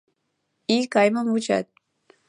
Ий кайымым вучат.